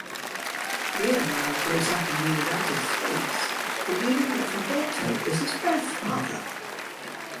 Leonel grows up in the United States believing that Roberto is his birth father.